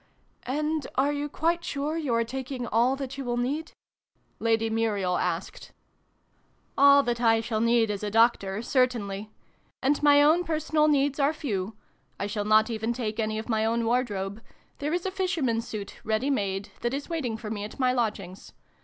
" And are you quite sure you are taking all that you will need ?" Lady Muriel a,sked. 280 SYLVIE AND BRUNO CONCLUDED. " All that I shall need as a doctor, certainly. And my own personal needs are few : I shall not even take any of my own wardrobe there is a fisherman's suit, ready made, that is waiting for me at my lodgings.